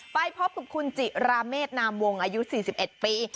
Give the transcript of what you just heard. ป้ายพบทุกคุณจิราเมฆนามวงอายุ๔๑ปี